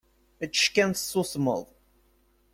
Ečč kan, tessusmeḍ!